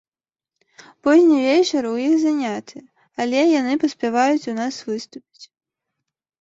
Позні вечар у іх заняты, але яны паспяваюць у нас выступіць!